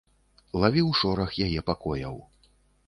Лавіў шорах яе пакояў.